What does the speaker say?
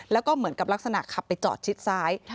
แล้วก็เหมือนกับลักษณะขับไปจอดชิดซ้าย